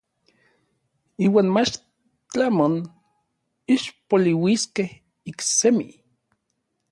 Iuan mach tlamon ixpoliuiskej iksemi.